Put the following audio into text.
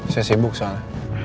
saya sibuk soalnya